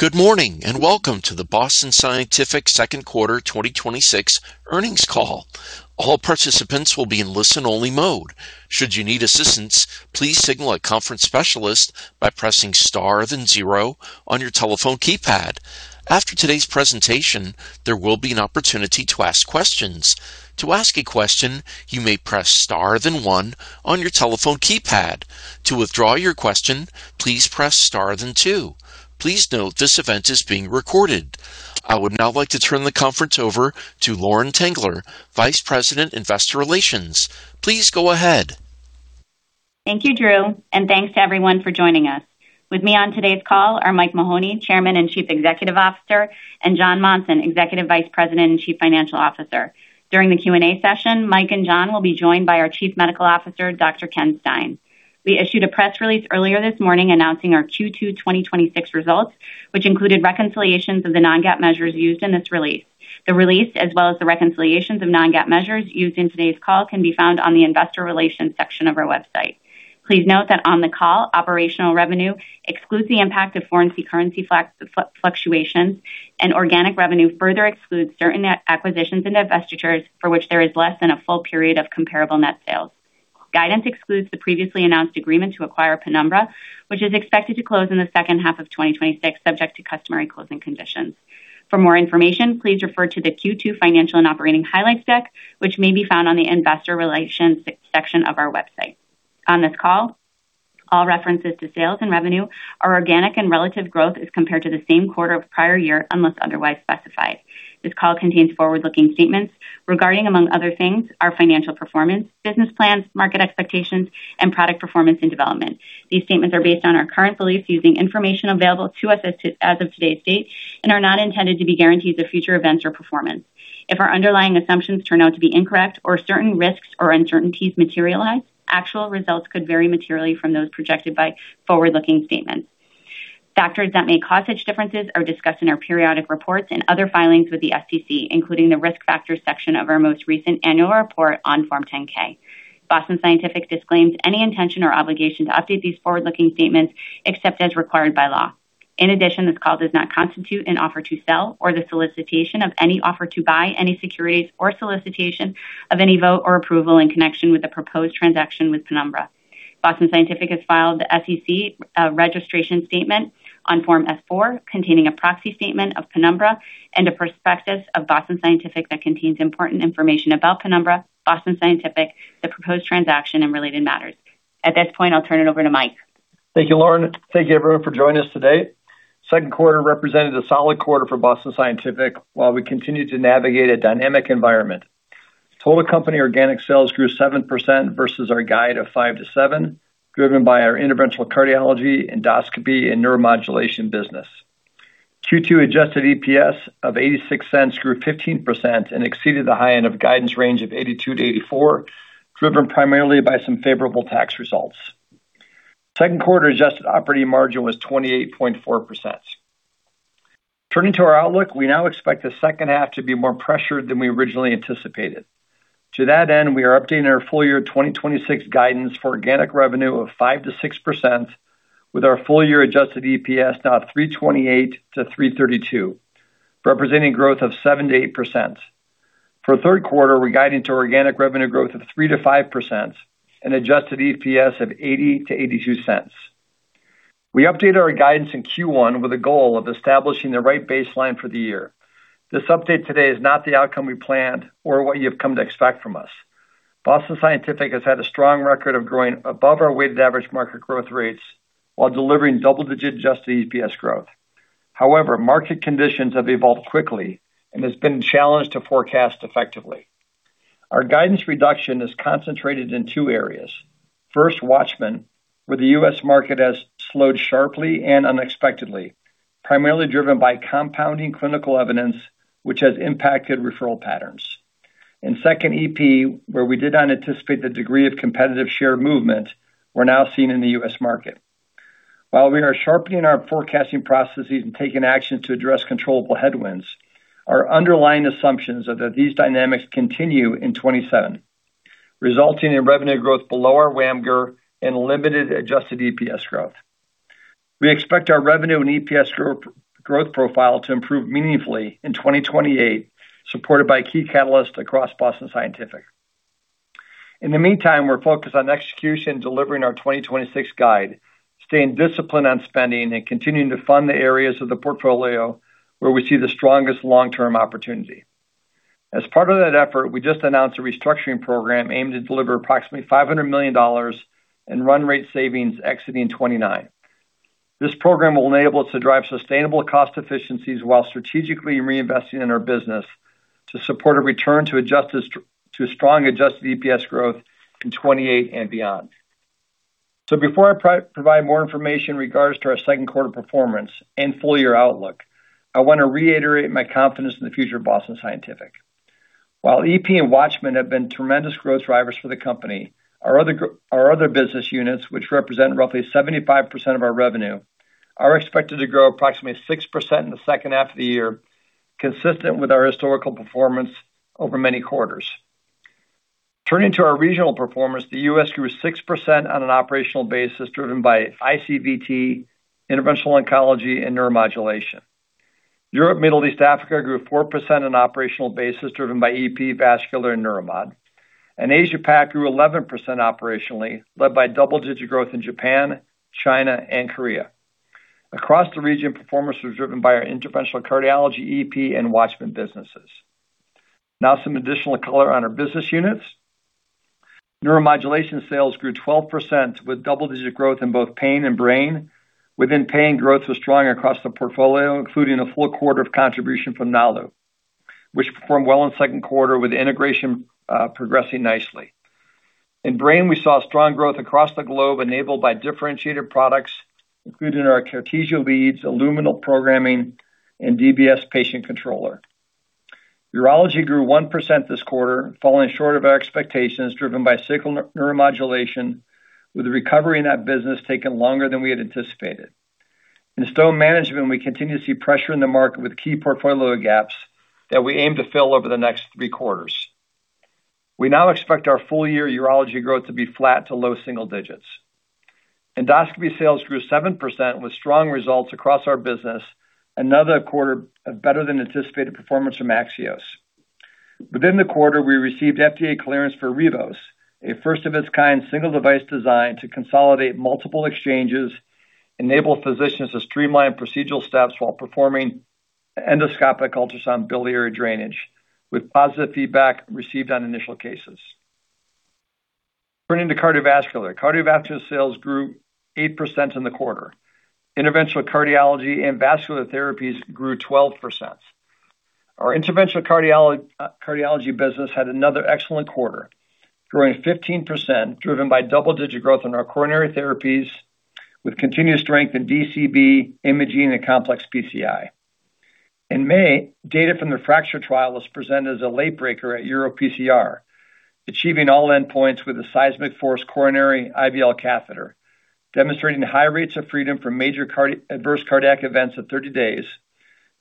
Good morning, welcome to the Boston Scientific second quarter 2026 earnings call. All participants will be in listen-only mode. Should you need assistance, please signal a conference specialist by pressing star then zero on your telephone keypad. After today's presentation, there will be an opportunity to ask questions. To ask a question, you may press star then one on your telephone keypad. To withdraw your question, please press star then two. Please note this event is being recorded. I would now like to turn the conference over to Lauren Tengler, Vice President, Investor Relations. Please go ahead. Thank you, Drew, thanks to everyone for joining us. With me on today's call are Mike Mahoney, Chairman and Chief Executive Officer, and Jon Monson, Executive Vice President and Chief Financial Officer. During the Q&A session, Mike and Jon will be joined by our Chief Medical Officer, Dr. Ken Stein. We issued a press release earlier this morning announcing our Q2 2026 results, which included reconciliations of the non-GAAP measures used in this release. The release, as well as the reconciliations of non-GAAP measures used in today's call, can be found on the investor relations section of our website. Please note that on the call, operational revenue excludes the impact of foreign currency fluctuations, and organic revenue further excludes certain acquisitions and divestitures for which there is less than a full period of comparable net sales. Guidance excludes the previously announced agreement to acquire Penumbra, which is expected to close in the second half of 2026, subject to customary closing conditions. For more information, please refer to the Q2 financial and operating highlights deck, which may be found on the investor relations section of our website. On this call, all references to sales and revenue are organic, and relative growth is compared to the same quarter of the prior year, unless otherwise specified. This call contains forward-looking statements regarding, among other things, our financial performance, business plans, market expectations, and product performance and development. These statements are based on our current beliefs, using information available to us as of today's date and are not intended to be guarantees of future events or performance. If our underlying assumptions turn out to be incorrect or certain risks or uncertainties materialize, actual results could vary materially from those projected by forward-looking statements. Factors that may cause such differences are discussed in our periodic reports and other filings with the SEC, including the risk factors section of our most recent annual report on Form 10-K. Boston Scientific disclaims any intention or obligation to update these forward-looking statements except as required by law. In addition, this call does not constitute an offer to sell or the solicitation of any offer to buy any securities or solicitation of any vote or approval in connection with the proposed transaction with Penumbra. Boston Scientific has filed the SEC registration statement on Form S-4, containing a proxy statement of Penumbra and a prospectus of Boston Scientific that contains important information about Penumbra, Boston Scientific, the proposed transaction, and related matters. At this point, I'll turn it over to Mike. Thank you, Lauren. Thank you, everyone, for joining us today. Second quarter represented a solid quarter for Boston Scientific while we continued to navigate a dynamic environment. Total company organic sales grew 7% versus our guide of 5%-7%, driven by our interventional cardiology, endoscopy, and neuromodulation business. Q2 adjusted EPS of $0.86 grew 15% and exceeded the high end of guidance range of $0.82-$0.84, driven primarily by some favorable tax results. Second quarter adjusted operating margin was 28.4%. Turning to our outlook, we now expect the second half to be more pressured than we originally anticipated. To that end, we are updating our full year 2026 guidance for organic revenue of 5%-6% with our full year adjusted EPS now at $3.28-$3.32, representing growth of 7%-8%. For the third quarter, we're guiding to organic revenue growth of 3%-5% and adjusted EPS of $0.80-$0.82. We updated our guidance in Q1 with a goal of establishing the right baseline for the year. This update today is not the outcome we planned or what you've come to expect from us. Boston Scientific has had a strong record of growing above our weighted average market growth rates while delivering double-digit adjusted EPS growth. Market conditions have evolved quickly, and it's been a challenge to forecast effectively. Our guidance reduction is concentrated in two areas. First, WATCHMAN, where the U.S. market has slowed sharply and unexpectedly, primarily driven by compounding clinical evidence, which has impacted referral patterns. Second, EP, where we did not anticipate the degree of competitive share movement we're now seeing in the U.S. market. While we are sharpening our forecasting processes and taking action to address controllable headwinds, our underlying assumptions are that these dynamics continue in 2027, resulting in revenue growth below our WAMGR and limited adjusted EPS growth. We expect our revenue and EPS growth profile to improve meaningfully in 2028, supported by key catalysts across Boston Scientific. In the meantime, we're focused on execution, delivering our 2026 guide, staying disciplined on spending, and continuing to fund the areas of the portfolio where we see the strongest long-term opportunity. As part of that effort, we just announced a restructuring program aimed to deliver approximately $500 million in run rate savings exiting 2029. This program will enable us to drive sustainable cost efficiencies while strategically reinvesting in our business to support a return to strong adjusted EPS growth in 2028 and beyond. Before I provide more information in regards to our second quarter performance and full-year outlook, I want to reiterate my confidence in the future of Boston Scientific. While EP and WATCHMAN have been tremendous growth drivers for the company, our other business units, which represent roughly 75% of our revenue, are expected to grow approximately 6% in the second half of the year, consistent with our historical performance over many quarters. Turning to our regional performance, the U.S. grew 6% on an operational basis driven by ICVT, Interventional Oncology, and Neuromodulation. Europe, Middle East, Africa grew 4% on an operational basis driven by EP, Vascular, and Neuromod. Asia-PAC grew 11% operationally, led by double-digit growth in Japan, China, and Korea. Across the region, performance was driven by our Interventional Cardiology, EP, and WATCHMAN businesses. Some additional color on our business units. Neuromodulation sales grew 12% with double-digit growth in both pain and brain. Within pain, growth was strong across the portfolio, including a full quarter of contribution from Nalu, which performed well in second quarter with integration progressing nicely. In brain, we saw strong growth across the globe enabled by differentiated products, including our Cartesia beads, ILLUMINA programming, and DBS patient controller. Urology grew 1% this quarter, falling short of our expectations, driven by cyclical Neuromodulation, with the recovery in that business taking longer than we had anticipated. In stone management, we continue to see pressure in the market with key portfolio gaps that we aim to fill over the next three quarters. We now expect our full-year urology growth to be flat to low single digits. Endoscopy sales grew 7% with strong results across our business, another quarter of better than anticipated performance from AXIOS. Within the quarter, we received FDA clearance for RIVOS, a first of its kind single device designed to consolidate multiple exchanges, enable physicians to streamline procedural steps while performing endoscopic ultrasound biliary drainage with positive feedback received on initial cases. Turning to Cardiovascular. Cardiovascular sales grew 8% in the quarter. Interventional Cardiology and Vascular Therapies grew 12%. Our Interventional Cardiology business had another excellent quarter, growing 15%, driven by double-digit growth in our coronary therapies, with continuous strength in DCB imaging and complex PCI. In May, data from the FRACTURE Trial was presented as a late breaker at EuroPCR, achieving all endpoints with a SEISMIQ 4CE Coronary IVL catheter, demonstrating high rates of freedom from major adverse cardiac events at 30 days,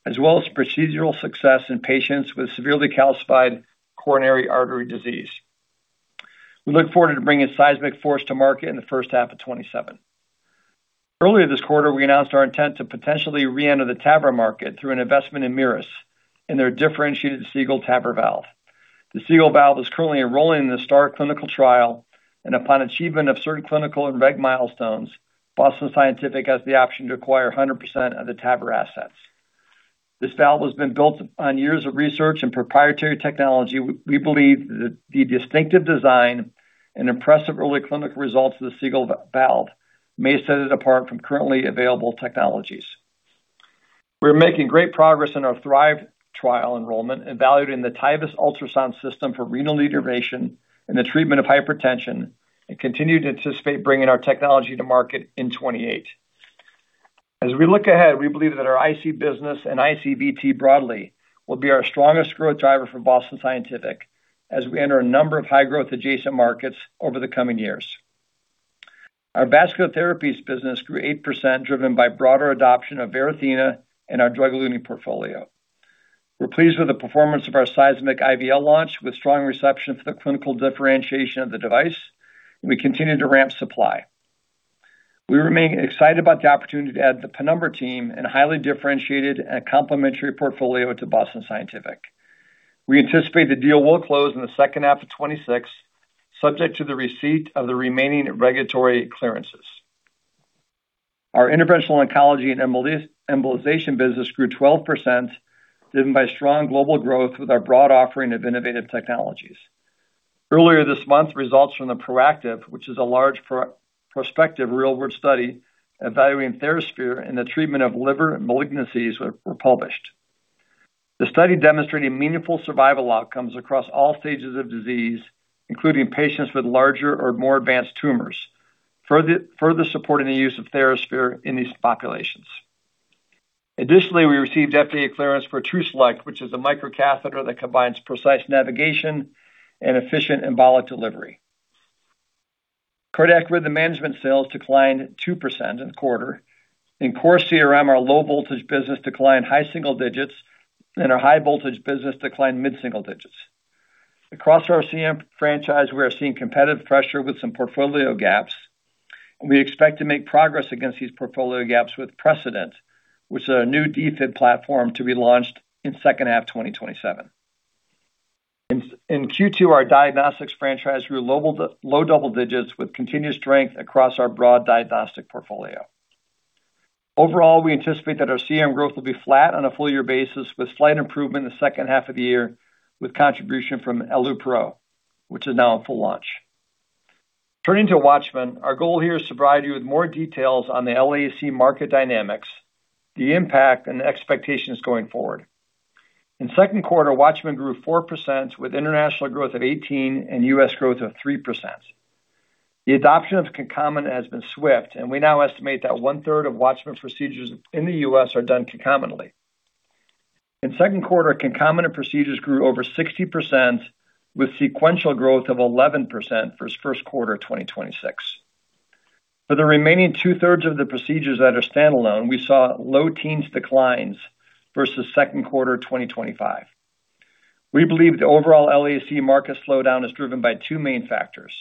as well as procedural success in patients with severely calcified coronary artery disease. We look forward to bringing SEISMIQ 4CE to market in the first half of 2027. Earlier this quarter, we announced our intent to potentially re-enter the TAVR market through an investment in MiRus and their differentiated SIEGEL TAVR valve. The SIEGEL valve is currently enrolling in the STAR clinical trial, and upon achievement of certain clinical and regulatory milestones, Boston Scientific has the option to acquire 100% of the TAVR assets. This valve has been built on years of research and proprietary technology. We believe that the distinctive design and impressive early clinical results of the SIEGEL valve may set it apart from currently available technologies. We are making great progress in our THRIVE trial enrollment, evaluating the TIVUS ultrasound system for renal denervation in the treatment of hypertension and continue to anticipate bringing our technology to market in 2028. As we look ahead, we believe that our IC business and ICVT broadly will be our strongest growth driver for Boston Scientific as we enter a number of high growth adjacent markets over the coming years. Our vascular therapies business grew 8%, driven by broader adoption of Varithena and our drug-eluting portfolio. We are pleased with the performance of our SEISMIQ IVL launch with strong reception for the clinical differentiation of the device, and we continue to ramp supply. We remain excited about the opportunity to add the Penumbra team and highly differentiated and complementary portfolio to Boston Scientific. We anticipate the deal will close in the second half of 2026, subject to the receipt of the remaining regulatory clearances. Our interventional oncology and embolization business grew 12%, driven by strong global growth with our broad offering of innovative technologies. Earlier this month, results from the PROACTIF, which is a large prospective real-world study evaluating TheraSphere in the treatment of liver malignancies were published. The study demonstrated meaningful survival outcomes across all stages of disease, including patients with larger or more advanced tumors, further supporting the use of TheraSphere in these populations. Additionally, we received FDA clearance for TRUSELECT, which is a microcatheter that combines precise navigation and efficient embolic delivery. Cardiac rhythm management sales declined 2% in the quarter. In core CRM, our low voltage business declined high single digits, and our high voltage business declined mid-single digits. Across our CRM franchise, we are seeing competitive pressure with some portfolio gaps, and we expect to make progress against these portfolio gaps with [Precedent], with a new defib platform to be launched in second half 2027. In Q2, our diagnostics franchise grew low double digits with continuous strength across our broad diagnostic portfolio. Overall, we anticipate that our CRM growth will be flat on a full year basis with slight improvement in the second half of the year with contribution from EluPro, which is now in full launch. Turning to WATCHMAN, our goal here is to provide you with more details on the LAAC market dynamics, the impact, and the expectations going forward. In second quarter, WATCHMAN grew 4% with international growth of 18% and U.S. growth of 3%. The adoption of concomitant has been swift, and we now estimate that one-third of WATCHMAN procedures in the U.S. are done concomitantly. In second quarter, concomitant procedures grew over 60% with sequential growth of 11% versus first quarter 2026. For the remaining two-thirds of the procedures that are standalone, we saw low teens declines versus second quarter 2025. We believe the overall LAAC market slowdown is driven by two main factors.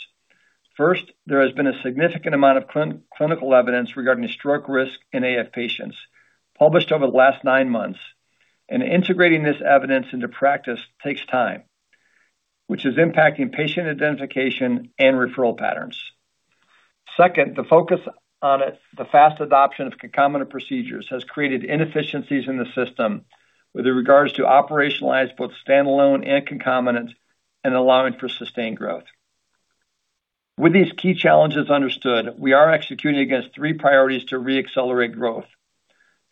First, there has been a significant amount of clinical evidence regarding stroke risk in AF patients published over the last nine months, and integrating this evidence into practice takes time, which is impacting patient identification and referral patterns. Second, the focus on the fast adoption of concomitant procedures has created inefficiencies in the system with regards to operationalize both standalone and concomitance in allowing for sustained growth. With these key challenges understood, we are executing against three priorities to re-accelerate growth.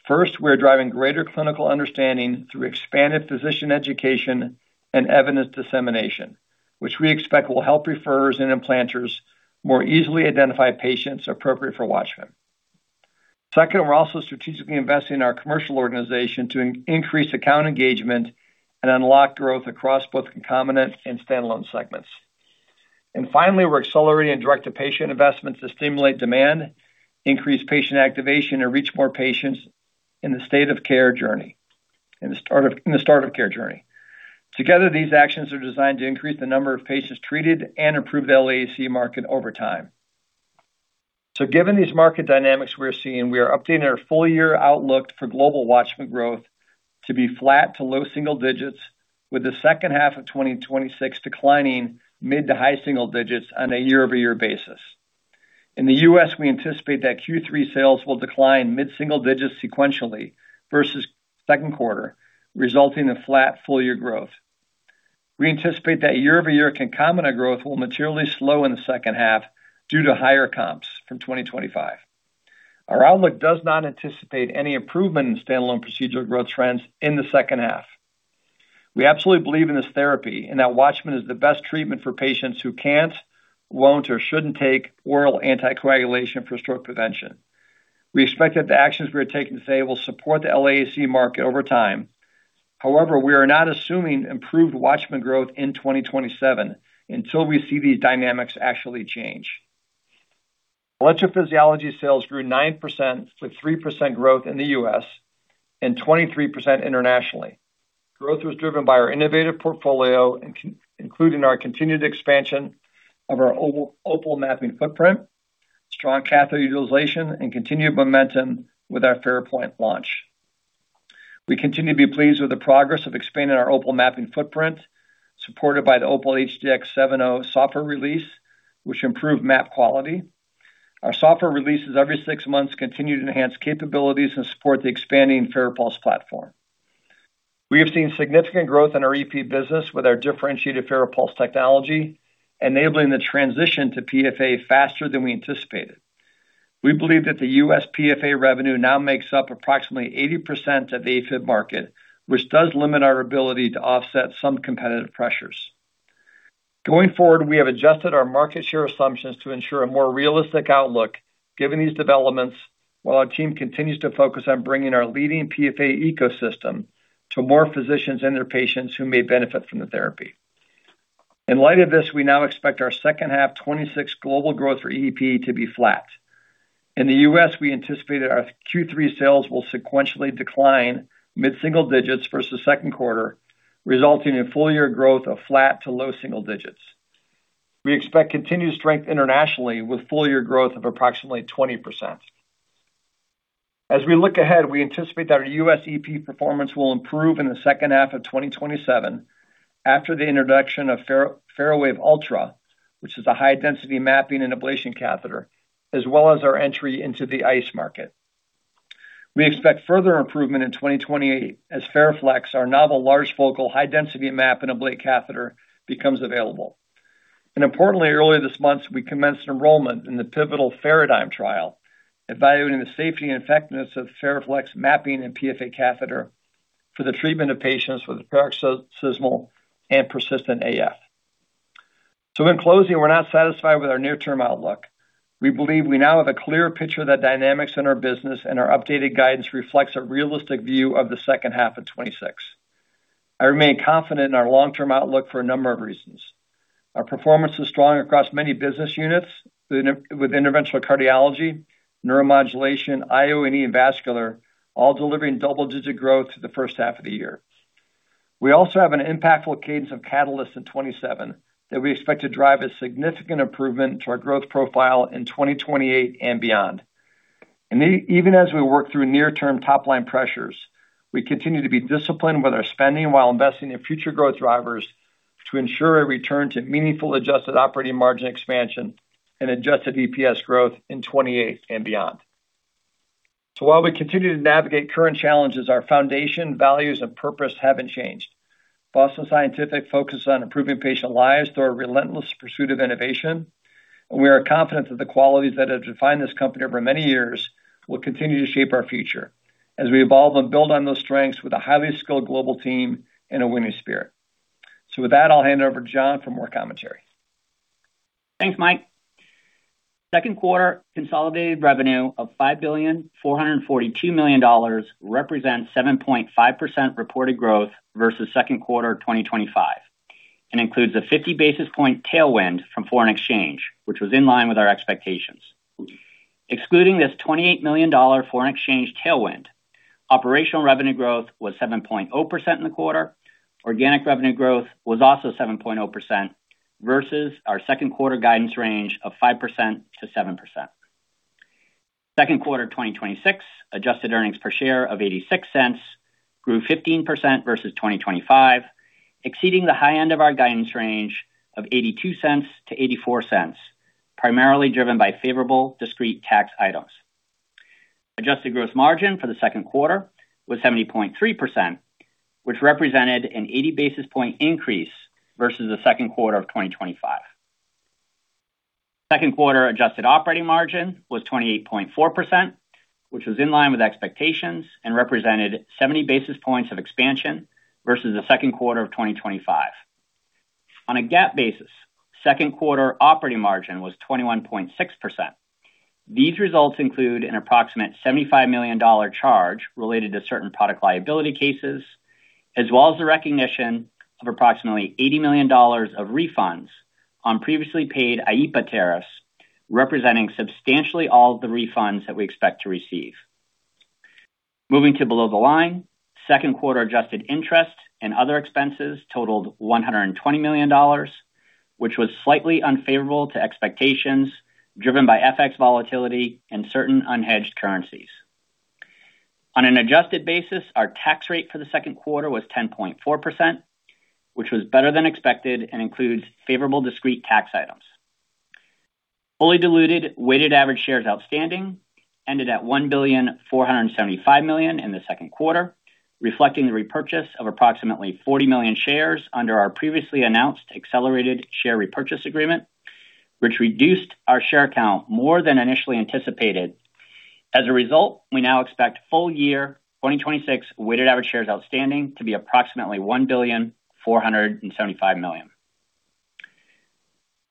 First, we're driving greater clinical understanding through expanded physician education and evidence dissemination, which we expect will help referrers and implanters more easily identify patients appropriate for WATCHMAN. Second, we're also strategically investing in our commercial organization to increase account engagement and unlock growth across both concomitant and standalone segments. Finally, we're accelerating direct-to-patient investments to stimulate demand, increase patient activation, and reach more patients in the start of care journey. Together, these actions are designed to increase the number of patients treated and improve the LAAC market over time. Given these market dynamics we're seeing, we are updating our full-year outlook for global WATCHMAN growth to be flat to low single digits with the second half of 2026 declining mid to high single digits on a year-over-year basis. In the U.S., we anticipate that Q3 sales will decline mid-single digits sequentially versus second quarter, resulting in flat full-year growth. We anticipate that year-over-year concomitant growth will materially slow in the second half due to higher comps from 2025. Our outlook does not anticipate any improvement in standalone procedural growth trends in the second half. We absolutely believe in this therapy and that WATCHMAN is the best treatment for patients who can't, won't, or shouldn't take oral anticoagulation for stroke prevention. We expect that the actions we are taking today will support the LAAC market over time. However, we are not assuming improved WATCHMAN growth in 2027 until we see these dynamics actually change. Electrophysiology sales grew 9%, with 3% growth in the U.S. and 23% internationally. Growth was driven by our innovative portfolio, including our continued expansion of our OPAL mapping footprint, strong catheter utilization, and continued momentum with our FARAPOINT launch. We continue to be pleased with the progress of expanding our OPAL mapping footprint, supported by the OPAL HDx 7.0 software release, which improved map quality. Our software releases every six months continue to enhance capabilities and support the expanding FARAPULSE platform. We have seen significant growth in our EP business with our differentiated FARAPULSE technology, enabling the transition to PFA faster than we anticipated. We believe that the U.S. PFA revenue now makes up approximately 80% of the AFib market, which does limit our ability to offset some competitive pressures. Going forward, we have adjusted our market share assumptions to ensure a more realistic outlook given these developments, while our team continues to focus on bringing our leading PFA ecosystem to more physicians and their patients who may benefit from the therapy. In light of this, we now expect our second half 2026 global growth for EP to be flat. In the U.S., we anticipate that our Q3 sales will sequentially decline mid-single digits versus second quarter, resulting in full-year growth of flat to low single digits. We expect continued strength internationally with full-year growth of approximately 20%. As we look ahead, we anticipate that our U.S. EP performance will improve in the second half of 2027 after the introduction of FARAWAVE Ultra, which is a high-density mapping and ablation catheter, as well as our entry into the ICE market. We expect further improvement in 2028 as FARAFLEX, our novel large focal high-density map and ablate catheter, becomes available. Importantly, earlier this month, we commenced enrollment in the pivotal FARADIGM trial, evaluating the safety and effectiveness of FARAFLEX mapping and PFA catheter for the treatment of patients with paroxysmal and persistent AF. In closing, we're not satisfied with our near-term outlook. We believe we now have a clearer picture of the dynamics in our business, and our updated guidance reflects a realistic view of the second half of 2026. I remain confident in our long-term outlook for a number of reasons. Our performance is strong across many business units with interventional cardiology, neuromodulation, IO&E, and vascular all delivering double-digit growth through the first half of the year. We also have an impactful cadence of catalysts in 2027 that we expect to drive a significant improvement to our growth profile in 2028 and beyond. Even as we work through near-term top-line pressures, we continue to be disciplined with our spending while investing in future growth drivers to ensure a return to meaningful adjusted operating margin expansion and adjusted EPS growth in 2028 and beyond. With that, I'll hand it over to Jon for more commentary. Thanks, Mike. Second quarter consolidated revenue of $5,442,000,000 represents 7.5% reported growth versus second quarter 2025. Includes a 50 basis point tailwind from foreign exchange, which was in line with our expectations. Excluding this $28 million foreign exchange tailwind, operational revenue growth was 7.0% in the quarter. Organic revenue growth was also 7.0%, versus our second quarter guidance range of 5%-7%. Second quarter 2026 adjusted earnings per share of $0.86 grew 15% versus 2025, exceeding the high end of our guidance range of $0.82-$0.84, primarily driven by favorable discrete tax items. Adjusted gross margin for the second quarter was 70.3%, which represented an 80 basis point increase versus the second quarter of 2025. Second quarter adjusted operating margin was 28.4%, which was in line with expectations and represented 70 basis points of expansion versus the second quarter of 2025. On a GAAP basis, second quarter operating margin was 21.6%. These results include an approximate $75 million charge related to certain product liability cases, as well as the recognition of approximately $80 million of refunds on previously paid IEEPA tariffs, representing substantially all of the refunds that we expect to receive. Moving to below the line, second quarter adjusted interest and other expenses totaled $120 million, which was slightly unfavorable to expectations, driven by FX volatility and certain unhedged currencies. On an adjusted basis, our tax rate for the second quarter was 10.4%, which was better than expected and includes favorable discrete tax items. Fully diluted weighted average shares outstanding ended at 1,475,000,000 in the second quarter, reflecting the repurchase of approximately 40 million shares under our previously announced accelerated share repurchase agreement, which reduced our share count more than initially anticipated. As a result, we now expect full year 2026 weighted average shares outstanding to be approximately $1,475,000,000.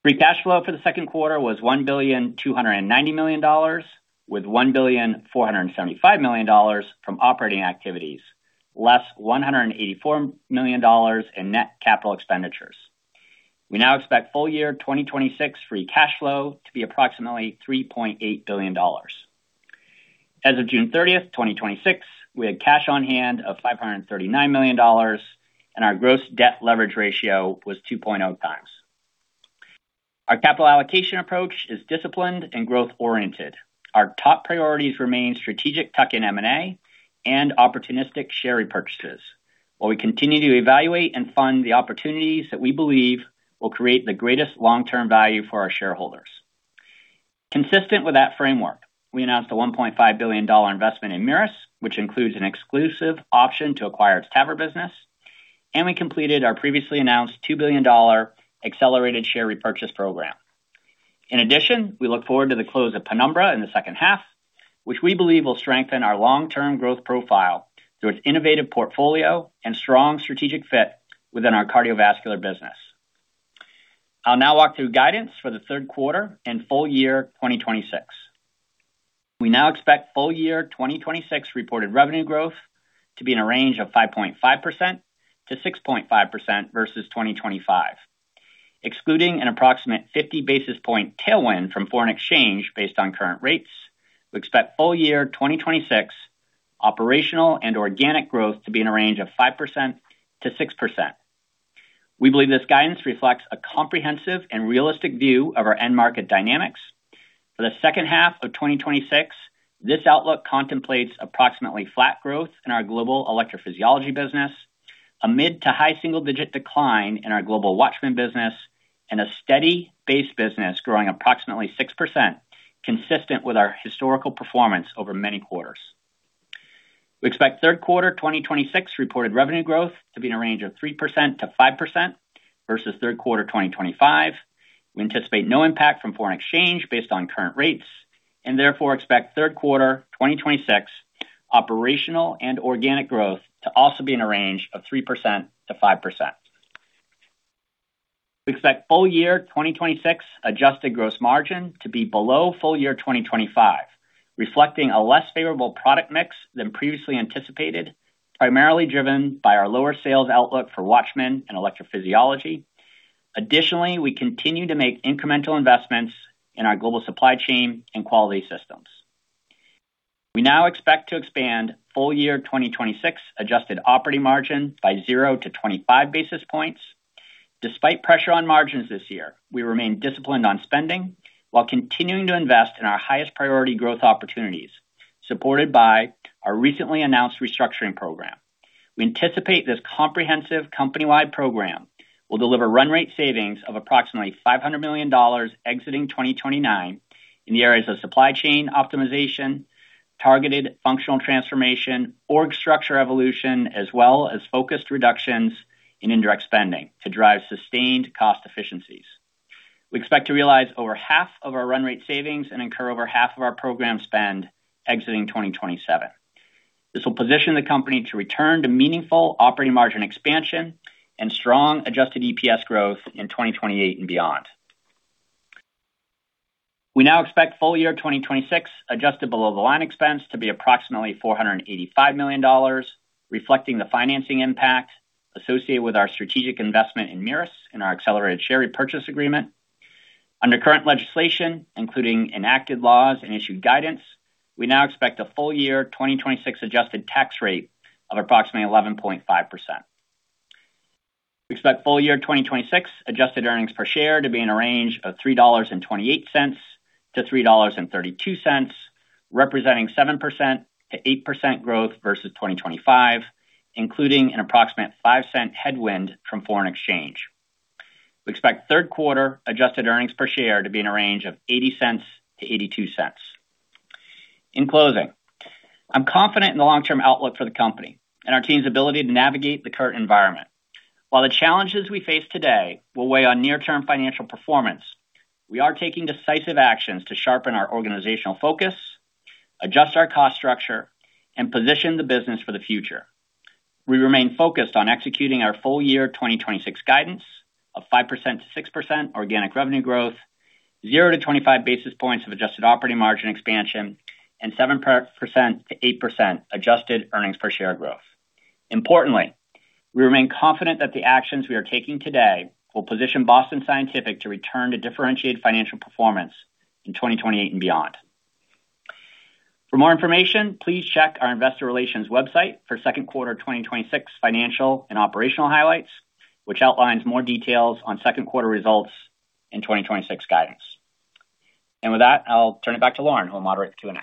Free cash flow for the second quarter was $1,290,000,000, with $1,475,000,000 from operating activities, less $184 million in net capital expenditures. We now expect full year 2026 free cash flow to be approximately $3.8 billion. As of June 30th, 2026, we had cash on hand of $539 million, and our gross debt leverage ratio was 2.0x. Our capital allocation approach is disciplined and growth oriented. Our top priorities remain strategic tuck-in M&A and opportunistic share repurchases, while we continue to evaluate and fund the opportunities that we believe will create the greatest long-term value for our shareholders. Consistent with that framework, we announced a $1.5 billion investment in MiRus, which includes an exclusive option to acquire its TAVR business, and we completed our previously announced $2 billion accelerated share repurchase program. In addition, we look forward to the close of Penumbra in the second half, which we believe will strengthen our long-term growth profile through its innovative portfolio and strong strategic fit within our cardiovascular business. I'll now walk through guidance for the third quarter and full year 2026. We now expect full year 2026 reported revenue growth to be in a range of 5.5%-6.5% versus 2025. Excluding an approximate 50 basis point tailwind from foreign exchange based on current rates, we expect full year 2026 operational and organic growth to be in a range of 5%-6%. We believe this guidance reflects a comprehensive and realistic view of our end market dynamics. For the second half of 2026, this outlook contemplates approximately flat growth in our global electrophysiology business, a mid to high single-digit decline in our global WATCHMAN business, and a steady base business growing approximately 6%, consistent with our historical performance over many quarters. We expect third quarter 2026 reported revenue growth to be in a range of 3%-5% versus third quarter 2025. We anticipate no impact from foreign exchange based on current rates, and therefore, expect third quarter 2026 operational and organic growth to also be in a range of 3%-5%. We expect full year 2026 adjusted gross margin to be below full year 2025, reflecting a less favorable product mix than previously anticipated, primarily driven by our lower sales outlook for WATCHMAN and electrophysiology. Additionally, we continue to make incremental investments in our global supply chain and quality systems. We now expect to expand full year 2026 adjusted operating margin by 0 basis points-25 basis points. Despite pressure on margins this year, we remain disciplined on spending while continuing to invest in our highest priority growth opportunities, supported by our recently announced restructuring program. We anticipate this comprehensive company-wide program will deliver run rate savings of approximately $500 million exiting 2029 in the areas of supply chain optimization, targeted functional transformation, org structure evolution, as well as focused reductions in indirect spending to drive sustained cost efficiencies. We expect to realize over half of our run rate savings and incur over half of our program spend exiting 2027. This will position the company to return to meaningful operating margin expansion and strong adjusted EPS growth in 2028 and beyond. We now expect full year 2026 adjusted below-the-line expense to be approximately $485 million, reflecting the financing impact associated with our strategic investment in MiRus and our accelerated share repurchase agreement. Under current legislation, including enacted laws and issued guidance, we now expect a full year 2026 adjusted tax rate of approximately 11.5%. We expect full year 2026 adjusted earnings per share to be in a range of $3.28-$3.32, representing 7%-8% growth versus 2025, including an approximate $0.05 headwind from foreign exchange. We expect third quarter adjusted earnings per share to be in a range of $0.80-$0.82. In closing, I'm confident in the long-term outlook for the company and our team's ability to navigate the current environment. While the challenges we face today will weigh on near-term financial performance, we are taking decisive actions to sharpen our organizational focus, adjust our cost structure, and position the business for the future. We remain focused on executing our full year 2026 guidance of 5%-6% organic revenue growth, 0 basis points-25 basis points of adjusted operating margin expansion, and 7%-8% adjusted earnings per share growth. Importantly, we remain confident that the actions we are taking today will position Boston Scientific to return to differentiated financial performance in 2028 and beyond. For more information, please check our investor relations website for second quarter 2026 financial and operational highlights, which outlines more details on second quarter results and 2026 guidance. With that, I'll turn it back to Lauren, who will moderate the Q&A.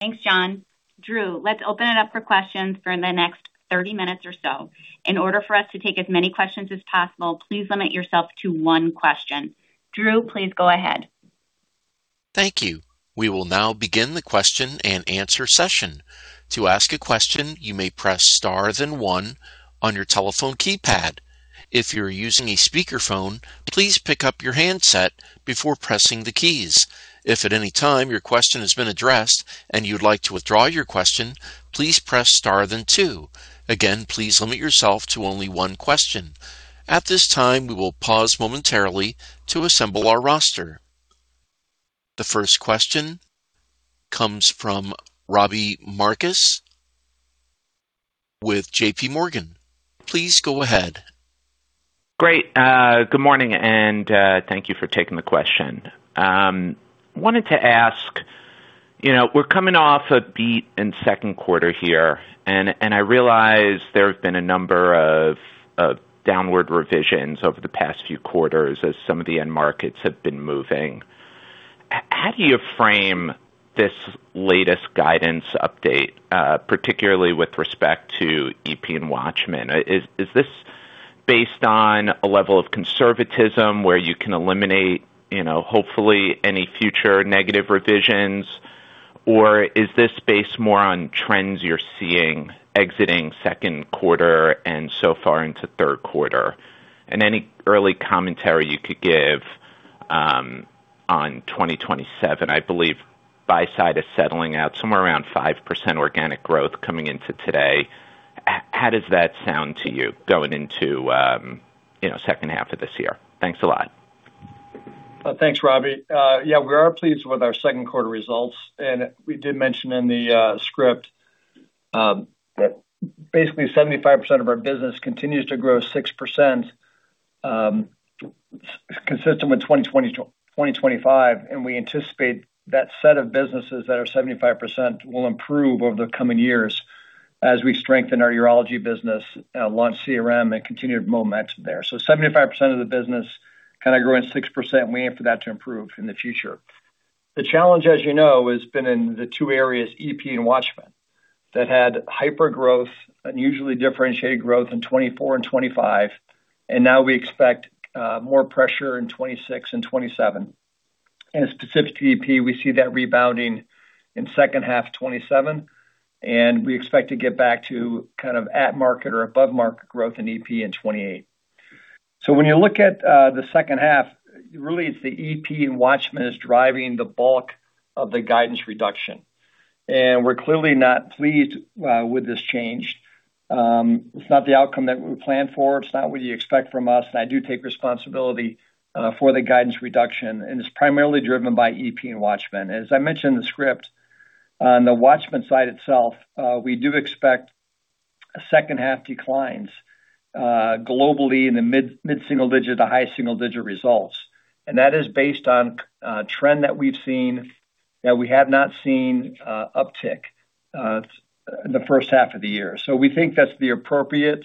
Thanks, Jon. Drew, let's open it up for questions for the next 30 minutes or so. In order for us to take as many questions as possible, please limit yourself to one question. Drew, please go ahead. Thank you. We will now begin the question and answer session. To ask a question, you may press star then one on your telephone keypad. If you're using a speakerphone, please pick up your handset before pressing the keys. If at any time your question has been addressed and you'd like to withdraw your question, please press star then two. Again, please limit yourself to only one question. At this time, we will pause momentarily to assemble our roster. The first question comes from Robbie Marcus with JPMorgan. Please go ahead. Great. Good morning, and thank you for taking the question. Wanted to ask, we're coming off a beat in second quarter here, and I realize there have been a number of downward revisions over the past few quarters as some of the end markets have been moving. How do you frame this latest guidance update, particularly with respect to EP and WATCHMAN? Is this based on a level of conservatism where you can eliminate, hopefully, any future negative revisions, or is this based more on trends you're seeing exiting second quarter and so far into third quarter? Any early commentary you could give on 2027. I believe buy side is settling out somewhere around 5% organic growth coming into today. How does that sound to you going into second half of this year? Thanks a lot. Thanks, Robbie. We are pleased with our second quarter results, and we did mention in the script that basically 75% of our business continues to grow 6%, consistent with 2025, and we anticipate that set of businesses that are 75% will improve over the coming years as we strengthen our urology business, launch CRM and continued momentum there. 75% of the business kind of growing 6%, and we aim for that to improve in the future. The challenge, as you know, has been in the two areas, EP and WATCHMAN, that had hyper growth, unusually differentiated growth in 2024 and 2025, and now we expect more pressure in 2026 and 2027. Specific to EP, we see that rebounding in second half 2027, and we expect to get back to kind of at market or above market growth in EP in 2028. When you look at the second half, really it's the EP and WATCHMAN is driving the bulk of the guidance reduction. We're clearly not pleased with this change. It's not the outcome that we planned for. It's not what you expect from us, I do take responsibility for the guidance reduction, and it's primarily driven by EP and WATCHMAN. As I mentioned in the script, on the WATCHMAN side itself, we do expect second half declines globally in the mid-single digit to high single-digit results. That is based on a trend that we've seen that we have not seen uptick the first half of the year. We think that's the appropriate,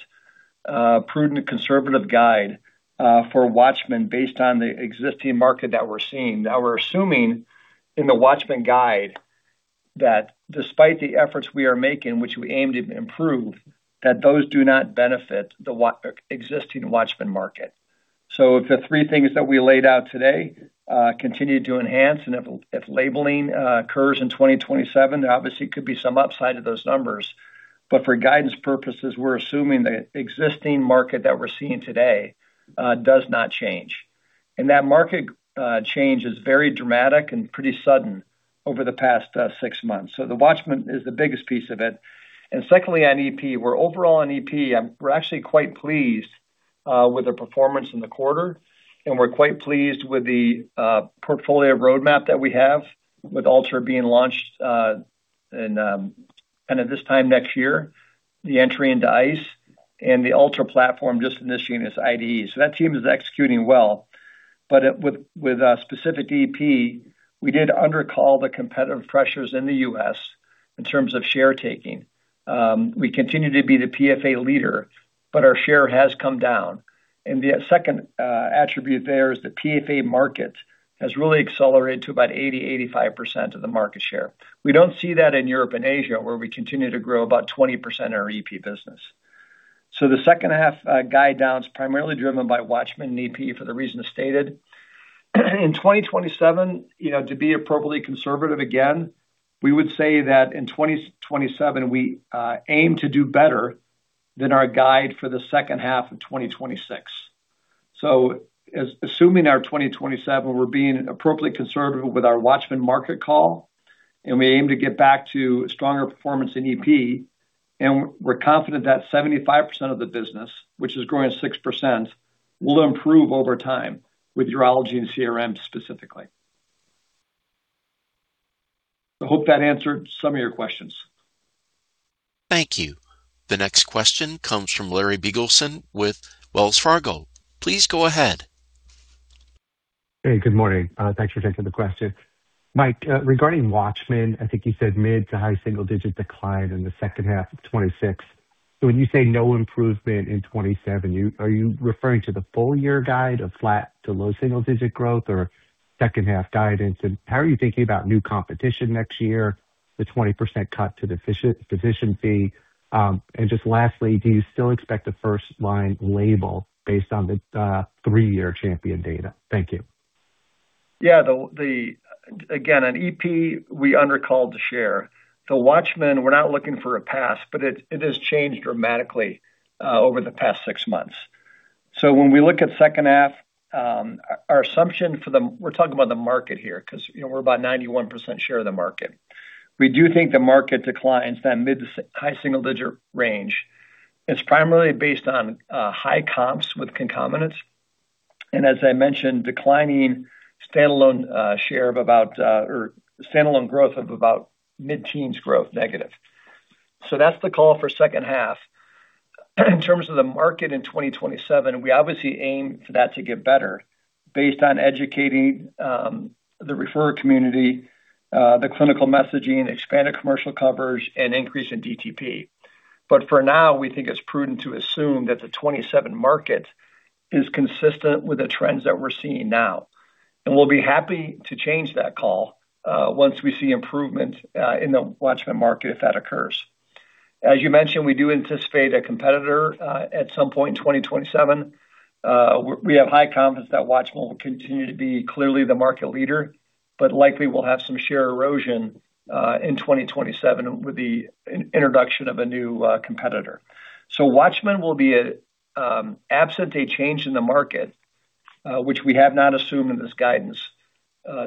prudent, conservative guide for WATCHMAN based on the existing market that we're seeing. Now we're assuming in the WATCHMAN guide that despite the efforts we are making, which we aim to improve, that those do not benefit the existing WATCHMAN market. If the three things that we laid out today continue to enhance and if labeling occurs in 2027, there obviously could be some upside to those numbers. But for guidance purposes, we're assuming the existing market that we're seeing today does not change. That market change is very dramatic and pretty sudden over the past six months. The WATCHMAN is the biggest piece of it. Secondly, on EP. Where overall on EP, we're actually quite pleased With the performance in the quarter, we're quite pleased with the portfolio roadmap that we have with Ultra being launched, at this time next year, the entry into ICE and the Ultra platform just initiating its IDE. That team is executing well. With specific EP, we did under-call the competitive pressures in the U.S. in terms of share taking. We continue to be the PFA leader, our share has come down. The second attribute there is the PFA market has really accelerated to about 80%-85% of the market share. We don't see that in Europe and Asia, where we continue to grow about 20% of our EP business. The second half guide down is primarily driven by WATCHMAN and EP for the reasons stated. In 2027, to be appropriately conservative again, we would say that in 2027, we aim to do better than our guide for the second half of 2026. Assuming our 2027, we're being appropriately conservative with our WATCHMAN market call, we aim to get back to stronger performance in EP, we're confident that 75% of the business, which is growing at 6%, will improve over time with urology and CRM specifically. I hope that answered some of your questions. Thank you. The next question comes from Larry Biegelsen with Wells Fargo. Please go ahead. Hey, good morning. Thanks for taking the question. Mike, regarding WATCHMAN, I think you said mid to high single-digit decline in the second half of 2026. When you say no improvement in 2027, are you referring to the full-year guide of flat to low single-digit growth or second half guidance? How are you thinking about new competition next year, the 20% cut to the physician fee? Just lastly, do you still expect a first-line label based on the three-year CHAMPION data? Thank you. Again, on EP, we under-called the share. WATCHMAN, we're not looking for a pass, but it has changed dramatically over the past six months. When we look at second half, our assumption for the market here, because we're about 91% share of the market. We do think the market declines that mid to high single-digit range. It's primarily based on high comps with concomitants, and as I mentioned, declining standalone share or standalone growth of about mid-teens growth negative. That's the call for second half. In terms of the market in 2027, we obviously aim for that to get better based on educating the referrer community, the clinical messaging, expanded commercial coverage, and increase in DTP. For now, we think it's prudent to assume that the 2027 market is consistent with the trends that we're seeing now. We'll be happy to change that call once we see improvement in the WATCHMAN market, if that occurs. As you mentioned, we do anticipate a competitor at some point in 2027. We have high confidence that WATCHMAN will continue to be clearly the market leader, but likely we'll have some share erosion in 2027 with the introduction of a new competitor. WATCHMAN, absent a change in the market, which we have not assumed in this guidance,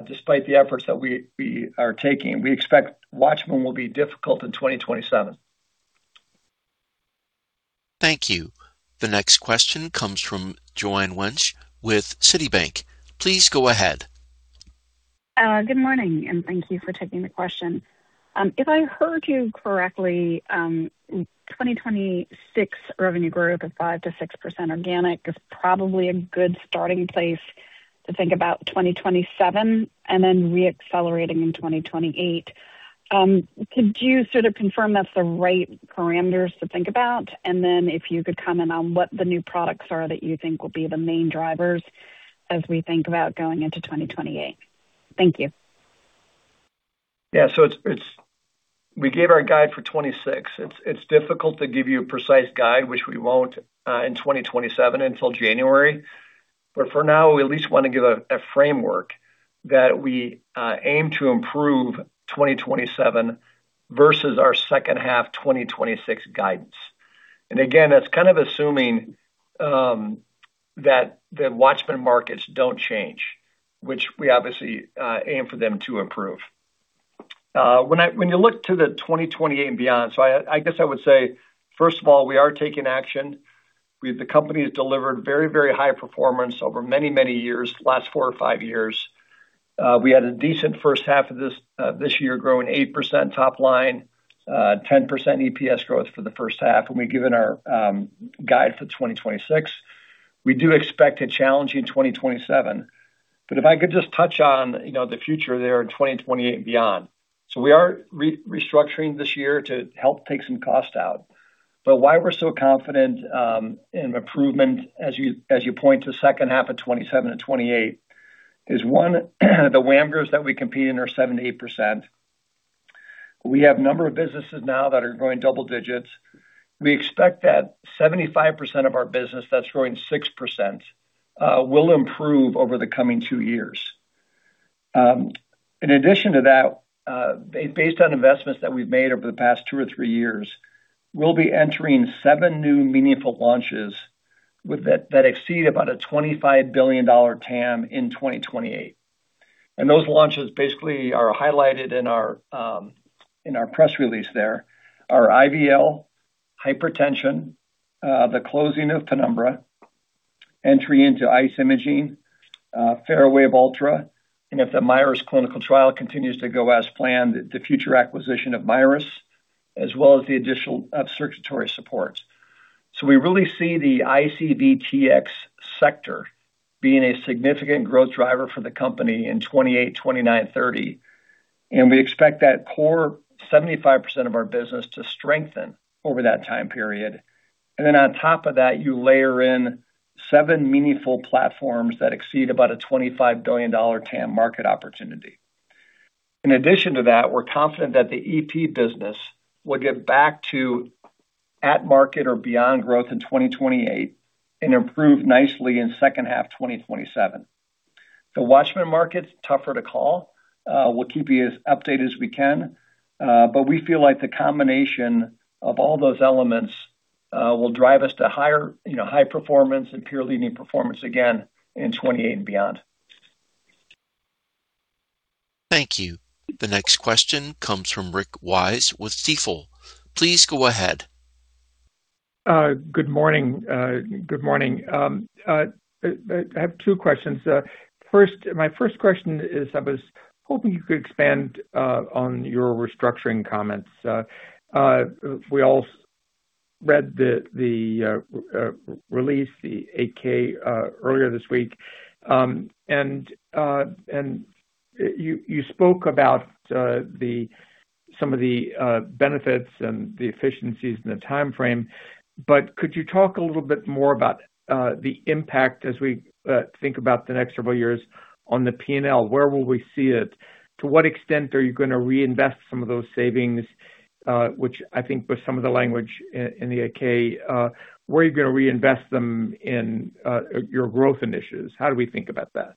despite the efforts that we are taking, we expect WATCHMAN will be difficult in 2027. Thank you. The next question comes from Joanne Wuensch with Citi. Please go ahead. Good morning, thank you for taking the question. If I heard you correctly, 2026 revenue growth of 5%-6% organic is probably a good starting place to think about 2027 and then re-accelerating in 2028. Could you sort of confirm that's the right parameters to think about? If you could comment on what the new products are that you think will be the main drivers as we think about going into 2028. Thank you. We gave our guide for 2026. It's difficult to give you a precise guide, which we won't in 2027 until January. For now, we at least want to give a framework that we aim to improve 2027 versus our second half 2026 guidance. And again, that's kind of assuming that WATCHMAN markets don't change, which we obviously aim for them to improve. When you look to the 2028 and beyond, I guess I would say, first of all, we are taking action. The company has delivered very high performance over many years, the last four or five years. We had a decent first half of this year, growing 8% top line, 10% EPS growth for the first half, and we've given our guide for 2026. We do expect a challenging 2027. If I could just touch on the future there in 2028 and beyond. We are restructuring this year to help take some cost out. Why we're so confident in improvement as you point to second half of 2027 and 2028 is, one, the WAMGRs that we compete in are 7%-8%. We have a number of businesses now that are growing double digits. We expect that 75% of our business that's growing 6% will improve over the coming two years. In addition to that, based on investments that we've made over the past two or three years, we'll be entering seven new meaningful launches that exceed about a $25 billion TAM in 2028. Those launches basically are highlighted in our press release there. Our IVL hypertension, the closing of Penumbra, entry into ICE imaging, FARAWAVE Ultra, and if the MiRus clinical trial continues to go as planned, the future acquisition of MiRus, as well as the additional circulatory supports. We really see the ICVT sector being a significant growth driver for the company in 2028, 2029, 2030. We expect that core 75% of our business to strengthen over that time period. On top of that, you layer in seven meaningful platforms that exceed about a $25 billion TAM market opportunity. In addition to that, we're confident that the EP business will get back to at market or beyond growth in 2028 and improve nicely in second half 2027. The WATCHMAN market, tougher to call. We'll keep you as updated as we can, but we feel like the combination of all those elements will drive us to high performance and peer-leading performance again in 2028 and beyond. Thank you. The next question comes from Rick Wise with Stifel. Please go ahead. Good morning. I have two questions. My first question is, I was hoping you could expand on your restructuring comments. We all read the release, the 8-K, earlier this week. You spoke about some of the benefits and the efficiencies and the timeframe. Could you talk a little bit more about the impact as we think about the next several years on the P&L? Where will we see it? To what extent are you going to reinvest some of those savings, which I think with some of the language in the 8-K, where are you going to reinvest them in your growth initiatives? How do we think about that?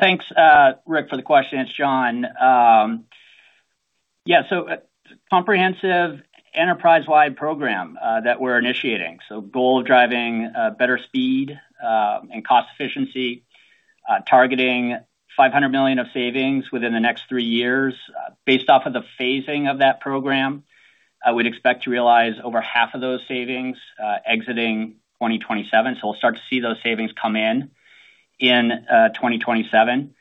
Thanks Rick, for the question. It's Jon. A comprehensive enterprise-wide program that we're initiating. Goal of driving better speed and cost efficiency, targeting $500 million of savings within the next three years. Based off of the phasing of that program, we'd expect to realize over half of those savings exiting 2027. We'll start to see those savings come in in 2027.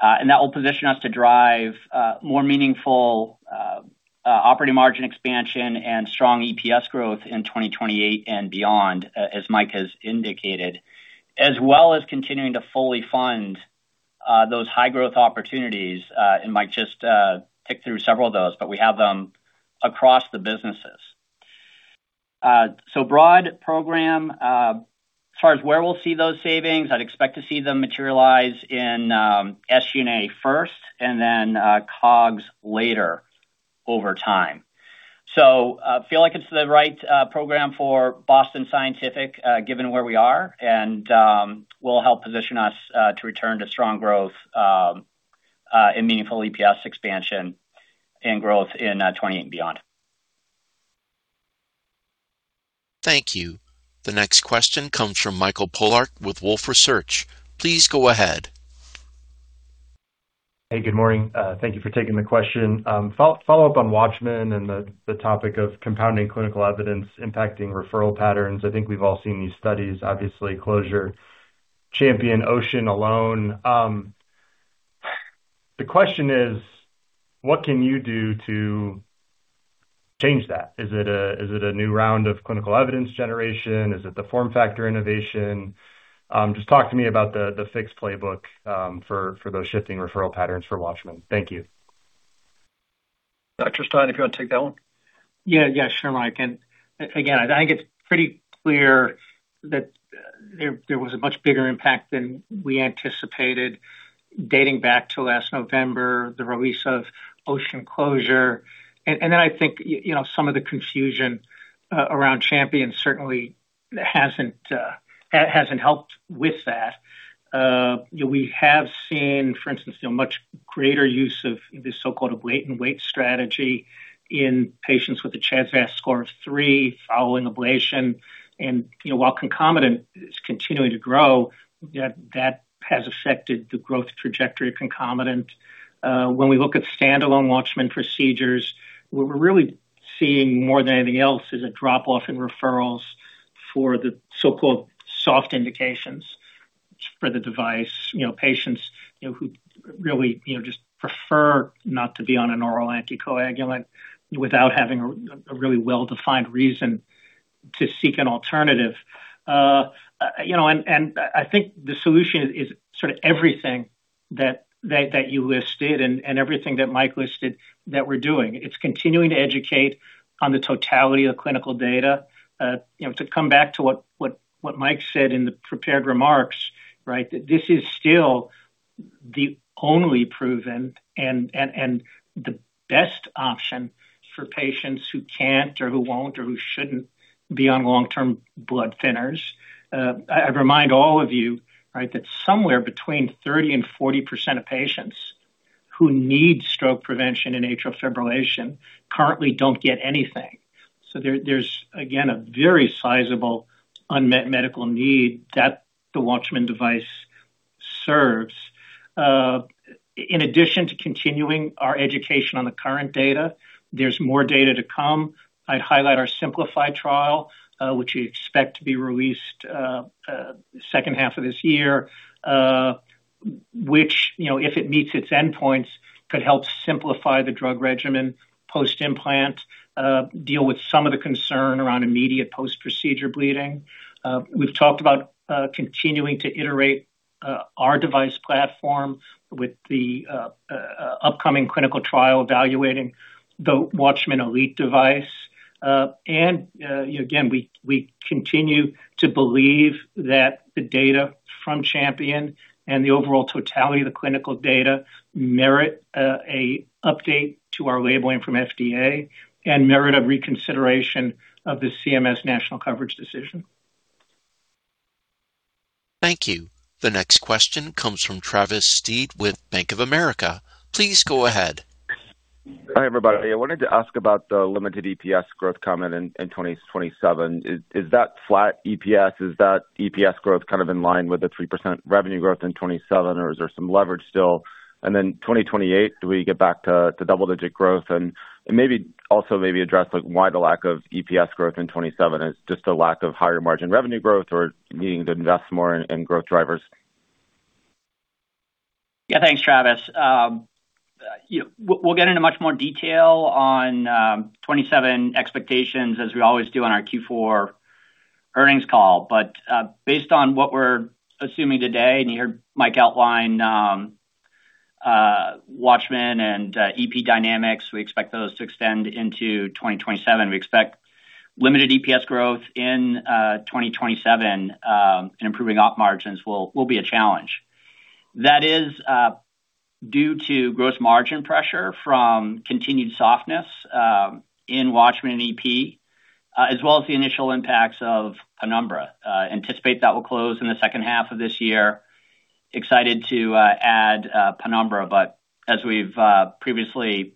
That will position us to drive more meaningful operating margin expansion and strong EPS growth in 2028 and beyond, as Mike has indicated, as well as continuing to fully fund those high-growth opportunities. Mike just ticked through several of those. We have them across the businesses. A broad program. As far as where we'll see those savings, I'd expect to see them materialize in SG&A first and then COGS later over time. Feel like it's the right program for Boston Scientific given where we are and will help position us to return to strong growth and meaningful EPS expansion and growth in 2028 and beyond. Thank you. The next question comes from Michael Polark with Wolfe Research. Please go ahead. Good morning. Thank you for taking the question. Follow-up on WATCHMAN and the topic of compounding clinical evidence impacting referral patterns. I think we have all seen these studies, obviously closure, CHAMPION, OCEAN alone. The question is what can you do to change that? Is it a new round of clinical evidence generation? Is it the form factor innovation? Talk to me about the fixed playbook for those shifting referral patterns for WATCHMAN. Thank you. Dr. Stein, if you want to take that one. Sure, Mike. Again, I think it is pretty clear that there was a much bigger impact than we anticipated dating back to last November, the release of OCEAN closure. Then I think some of the confusion around CHAMPION certainly has not helped with that. We have seen, for instance, much greater use of this so-called wait-and-wait strategy in patients with a CHA2DS2-VASc score of three following ablation. While concomitant is continuing to grow, that has affected the growth trajectory of concomitant. When we look at standalone WATCHMAN procedures, what we are really seeing more than anything else is a drop-off in referrals for the so-called soft indications for the device. Patients who really just prefer not to be on an oral anticoagulant without having a really well-defined reason to seek an alternative. I think the solution is sort of everything that you listed and everything that Mike listed that we are doing. It is continuing to educate on the totality of clinical data. To come back to what Mike said in the prepared remarks, that this is still the only proven and the best option for patients who cannot or who will not or who should not be on long-term blood thinners. I remind all of you that somewhere between 30% and 40% of patients who need stroke prevention and atrial fibrillation currently don't get anything. There's, again, a very sizable unmet medical need that the WATCHMAN device serves. In addition to continuing our education on the current data, there's more data to come. I'd highlight our SIMPLAAFY trial, which we expect to be released second half of this year. Which, if it meets its endpoints, could help simplify the drug regimen post-implant, deal with some of the concern around immediate post-procedure bleeding. We've talked about continuing to iterate our device platform with the upcoming clinical trial evaluating the WATCHMAN elite device. Again, we continue to believe that the data from CHAMPION and the overall totality of the clinical data merit an update to our labeling from FDA, and merit a reconsideration of the CMS national coverage decision. Thank you. The next question comes from Travis Steed with Bank of America. Please go ahead. Hi, everybody. I wanted to ask about the limited EPS growth coming in 2027. Is that flat EPS? Is that EPS growth kind of in line with the 3% revenue growth in 2027, or is there some leverage still? And then 2028, do we get back to double-digit growth? And maybe also maybe address why the lack of EPS growth in 2027. Is it just a lack of higher margin revenue growth or needing to invest more in growth drivers? Yeah. Thanks, Travis. We'll get into much more detail on 2027 expectations, as we always do on our Q4 earnings call. Based on what we're assuming today, and you heard Mike outline WATCHMAN and EP dynamics, we expect those to extend into 2027. We expect limited EPS growth in 2027, and improving op margins will be a challenge. That is due to gross margin pressure from continued softness in WATCHMAN and EP, as well as the initial impacts of Penumbra. Anticipate that will close in the second half of this year. Excited to add Penumbra, but as we've previously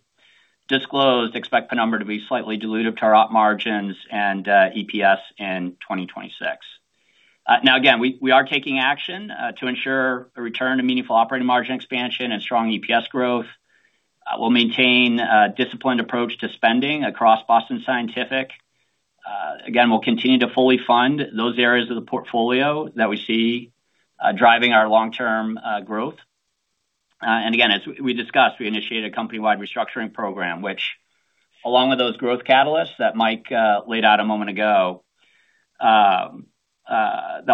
disclosed, expect Penumbra to be slightly dilutive to our op margins and EPS in 2026. Now again, we are taking action to ensure a return to meaningful operating margin expansion and strong EPS growth. We'll maintain a disciplined approach to spending across Boston Scientific. We'll continue to fully fund those areas of the portfolio that we see driving our long-term growth. As we discussed, we initiated a company-wide restructuring program, which along with those growth catalysts that Mike laid out a moment ago, that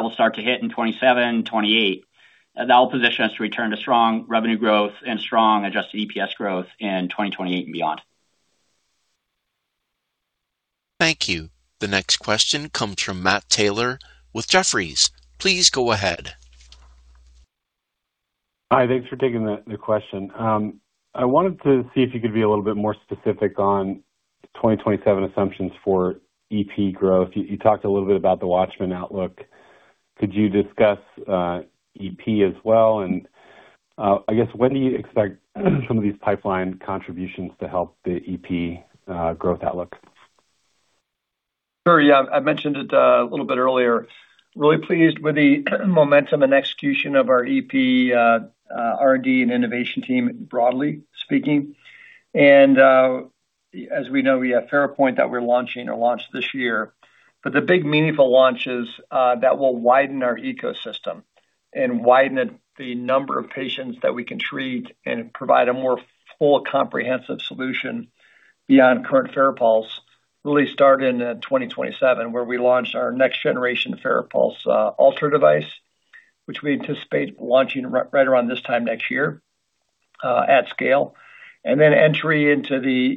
will start to hit in 2027 and 2028. That will position us to return to strong revenue growth and strong adjusted EPS growth in 2028 and beyond. Thank you. The next question comes from Matt Taylor with Jefferies. Please go ahead. Hi. Thanks for taking the question. I wanted to see if you could be a little bit more specific on 2027 assumptions for EP growth. You talked a little bit about the WATCHMAN outlook. Could you discuss EP as well? I guess, when do you expect some of these pipeline contributions to help the EP growth outlook? Sure. Yeah. I mentioned it a little bit earlier. Really pleased with the momentum and execution of our EP R&D and innovation team, broadly speaking. As we know, we have FARAPOINT that we're launching or launched this year. The big meaningful launches that will widen our ecosystem and widen the number of patients that we can treat and provide a more full comprehensive solution beyond current FARAPULSE really start in 2027, where we launch our next generation FARAPULSE Ultra device, which we anticipate launching right around this time next year at scale. Entry into the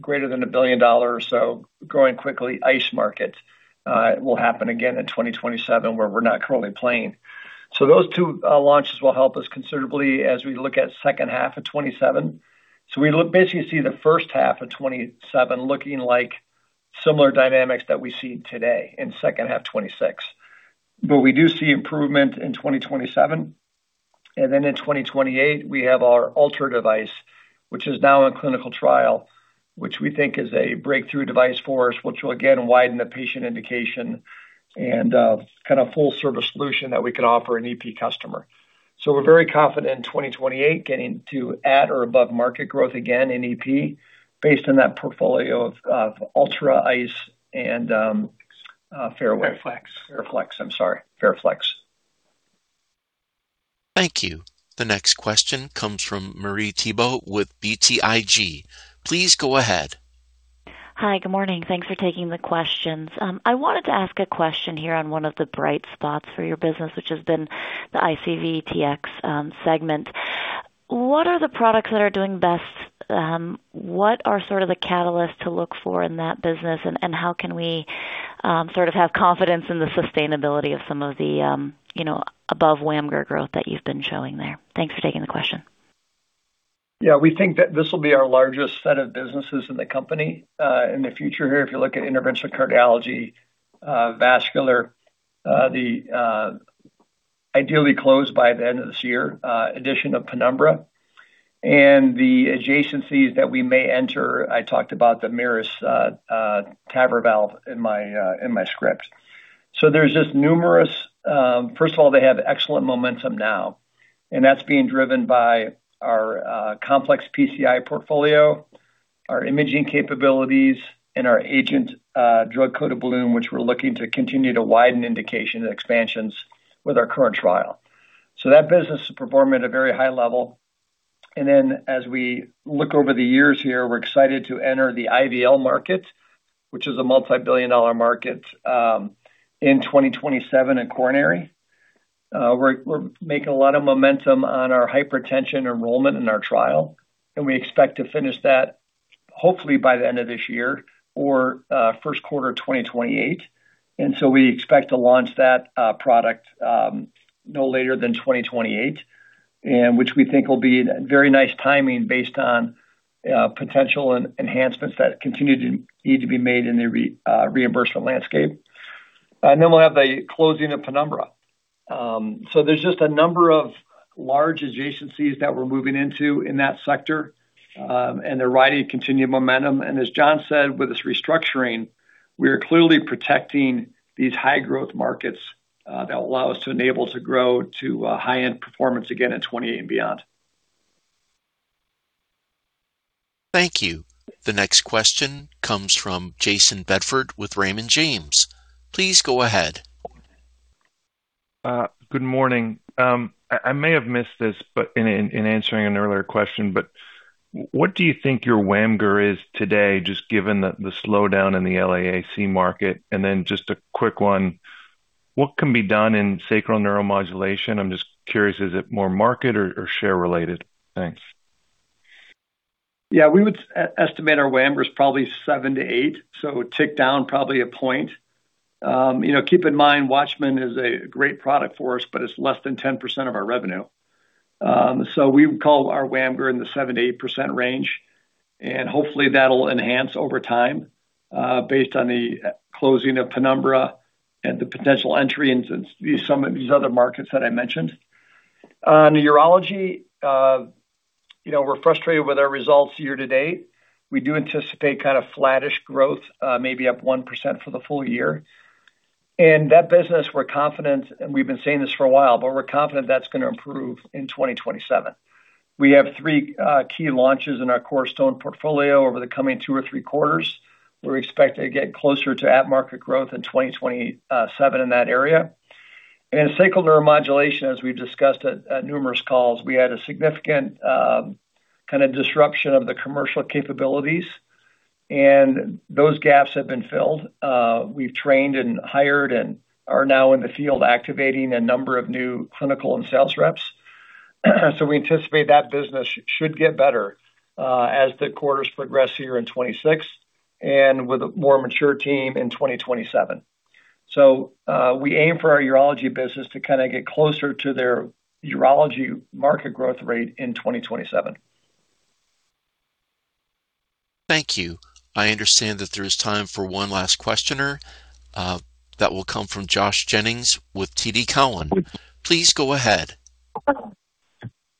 greater than $1 billion, growing quickly ICE market will happen again in 2027, where we're not currently playing. Those two launches will help us considerably as we look at second half of 2027. We basically see the first half of 2027 looking like similar dynamics that we see today in second half 2026. We do see improvement in 2027. In 2028, we have our Ultra device, which is now in a clinical trial, which we think is a breakthrough device for us, which will again widen the patient indication and kind of full service solution that we can offer an EP customer. We're very confident in 2028 getting to at or above market growth again in EP based on that portfolio of Ultra, ICE, and. FARAFLEX. FARAFLEX. I'm sorry. FARAFLEX. Thank you. The next question comes from Marie Thibault with BTIG. Please go ahead. Hi. Good morning. Thanks for taking the questions. I wanted to ask a question here on one of the bright spots for your business, which has been the ICVT segment. What are the products that are doing best? What are sort of the catalysts to look for in that business, and how can we sort of have confidence in the sustainability of some of the above WAMGR growth that you've been showing there? Thanks for taking the question. We think that this will be our largest set of businesses in the company in the future here. If you look at Interventional Cardiology & Vascular, ideally closed by the end of this year, addition of Penumbra, and the adjacencies that we may enter. I talked about the MiRus TAVR valve in my script. There's just numerous. First of all, they have excellent momentum now, and that's being driven by our complex PCI portfolio, our imaging capabilities, and our AGENT drug-coated balloon, which we're looking to continue to widen indication and expansions with our current trial. That business is performing at a very high level. As we look over the years here, we're excited to enter the IVL market, which is a multi-billion dollar market, in 2027 in coronary. We're making a lot of momentum on our hypertension enrollment in our trial, and we expect to finish that hopefully by the end of this year or first quarter 2028. We expect to launch that product no later than 2028. Which we think will be very nice timing based on potential and enhancements that continue to need to be made in the reimbursement landscape. Then we'll have the closing of Penumbra. There's just a number of large adjacencies that we're moving into in that sector, and they're riding continued momentum. As Jon said, with this restructuring, we are clearly protecting these high growth markets, that will allow us to enable to grow to high-end performance again in 2028 and beyond. Thank you. The next question comes from Jayson Bedford with Raymond James. Please go ahead. Good morning. I may have missed this in answering an earlier question, what do you think your WAMGR is today, just given the slowdown in the LAAC market? Just a quick one, what can be done in sacral neuromodulation? I'm just curious, is it more market or share related? Thanks. We would estimate our WAMGR is probably 7%-8%, so it ticked down probably a point. Keep in mind, WATCHMAN is a great product for us, but it's less than 10% of our revenue. We would call our WAMGR in the 7%-8% range, and hopefully that'll enhance over time, based on the closing of Penumbra and the potential entry into some of these other markets that I mentioned. Urology, we're frustrated with our results year to date. We do anticipate kind of flattish growth, maybe up 1% for the full year. That business, we're confident, and we've been saying this for a while, but we're confident that's going to improve in 2027. We have three key launches in our cornerstone portfolio over the coming two or three quarters. We expect to get closer to at-market growth in 2027 in that area. In sacral neuromodulation, as we've discussed at numerous calls, we had a significant kind of disruption of the commercial capabilities, and those gaps have been filled. We've trained and hired and are now in the field activating a number of new clinical and sales reps. We anticipate that business should get better as the quarters progress here in 2026, and with a more mature team in 2027. We aim for our urology business to kind of get closer to their urology market growth rate in 2027. Thank you. I understand that there is time for one last questioner. That will come from Josh Jennings with TD Cowen. Please go ahead.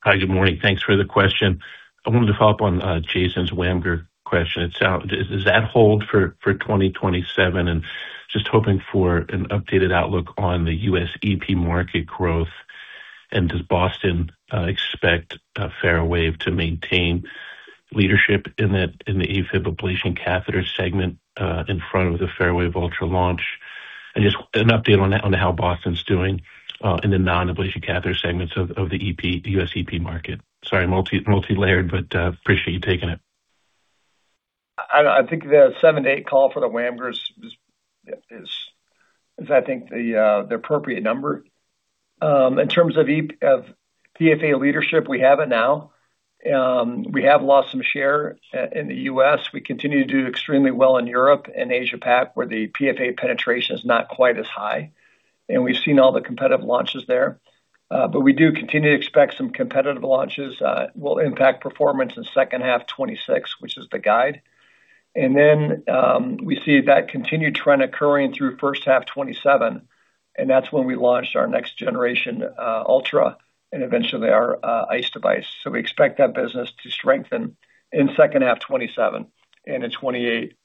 Hi. Good morning. Thanks for the question. I wanted to follow up on Jayson's WAMGR question. Does that hold for 2027? Just hoping for an updated outlook on the U.S. EP market growth, and does Boston expect a FARAWAVE to maintain leadership in the AFib ablation catheter segment, in front of the FARAWAVE Ultra launch? Just an update on how Boston's doing in the non-ablation catheter segments of the U.S. EP market. Sorry, multi-layered, but appreciate you taking it. I think the 7%-8% call for the WAMGR is, I think, the appropriate number. In terms of PFA leadership, we have it now. We have lost some share in the U.S. We continue to do extremely well in Europe and Asia-Pac, where the PFA penetration is not quite as high, and we've seen all the competitive launches there. We do continue to expect some competitive launches will impact performance in second half 2026, which is the guide. We see that continued trend occurring through first half 2027, and that's when we launched our next generation Ultra and eventually our ICE device. We expect that business to strengthen in second half 2027 and in 2028.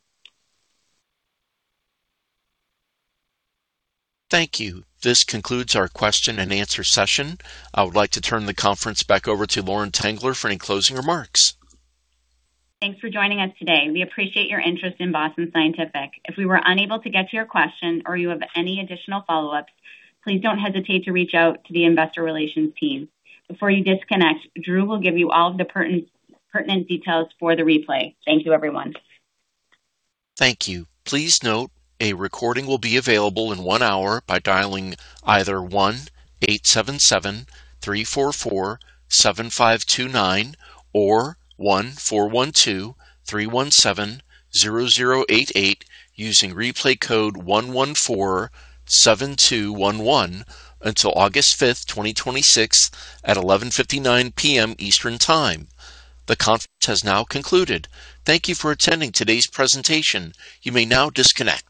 Thank you. This concludes our question and answer session. I would like to turn the conference back over to Lauren Tengler for any closing remarks. Thanks for joining us today. We appreciate your interest in Boston Scientific. If we were unable to get to your question or you have any additional follow-ups, please don't hesitate to reach out to the investor relations team. Before you disconnect, Drew will give you all of the pertinent details for the replay. Thank you, everyone. Thank you. Please note a recording will be available in one hour by dialing either 1-877-344-7529 or 1-412-317-0088 using replay code 1147211 until August 5th, 2026, at 11:59 P.M. Eastern Time. The conference has now concluded. Thank you for attending today's presentation. You may now disconnect.